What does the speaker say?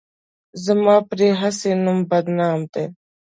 زما پرې هسې نوم بدنام دی.